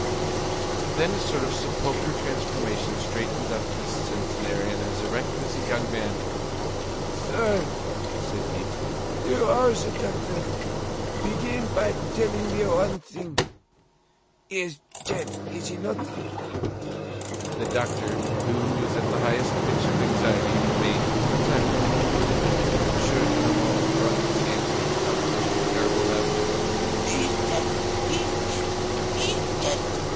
Then a sort of sepulchral transformation straightened up this centenarian as erect as a young man. "Sir," said he, "you are the doctor. Begin by telling me one thing. He is dead, is he not?" The doctor, who was at the highest pitch of anxiety, remained silent. M. Gillenormand wrung his hands with an outburst of terrible laughter. "He is dead! He is dead! He is dead!